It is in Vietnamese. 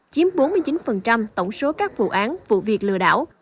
chiếm bốn mươi chín tổng số các vụ án vụ việc lừa đảo